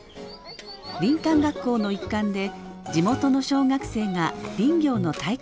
林間学校の一環で地元の小学生が林業の体験学習に来ました。